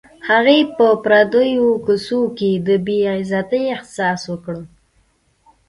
هغې په پردیو کوڅو کې د بې عزتۍ احساس وکړ